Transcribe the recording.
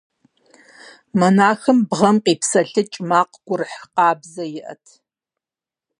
Монахым бгъэм къипсэлъыкӀ макъ гурыхь къабзэ иӀэт.